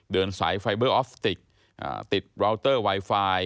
เดินสายไฟเบอร์ออฟติกติดราวเตอร์ไวไฟ